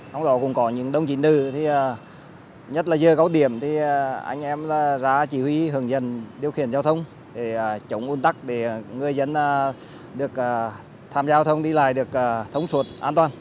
hôm đó cũng có những đồng chí nữ nhất là dưa gấu điểm thì anh em ra chỉ huy hướng dần điều khiển giao thông để chống ôn tắc để người dân được tham gia giao thông đi lại được thống suốt an toàn